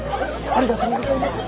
ありがとうございます。